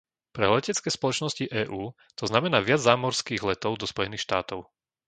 Pre letecké spoločnosti EÚ to znamená viac zámorských letov do Spojených štátov.